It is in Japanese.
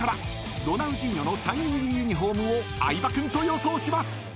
ロナウジーニョのサイン入りユニホームを相葉君と予想します］